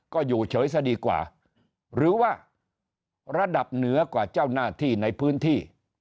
ก็อยู่เฉยซะดีกว่าหรือว่าระดับเหนือกว่าเจ้าหน้าที่ในพื้นที่